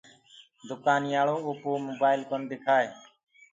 دُڪآنيآݪو اوپو موبآئل ڪونآ دِڪآئي۔